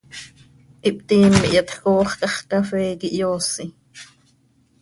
Ihptiim, ihyatj coox cah x, cafee quih hyoosi.